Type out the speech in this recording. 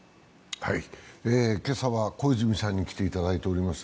今朝は小泉さんに来ていただいています。